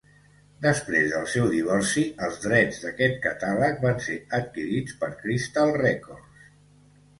Després del seu divorci, els drets d'aquest catàleg van ser adquirits per Crystal records.